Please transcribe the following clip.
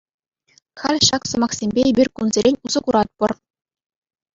Халь ҫак сӑмахсемпе эпир кунсерен усӑ куратпӑр.